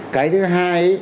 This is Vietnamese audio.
cái thứ hai